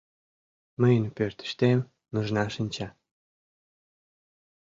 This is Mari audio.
Мыйын пӧртыштем нужна шинча.